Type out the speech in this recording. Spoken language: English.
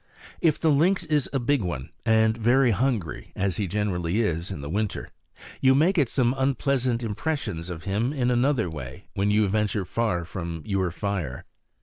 If the lynx is a big one, and very hungry, as he generally is in winter, you may get some unpleasant impressions of him in another way when you venture far from your fire.